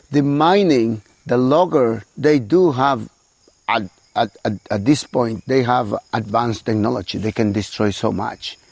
pemainan penjualan mereka memiliki teknologi yang berkembang mereka bisa mencobanya